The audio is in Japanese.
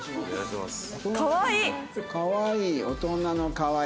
かわいい！